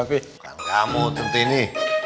bukan kamu tintini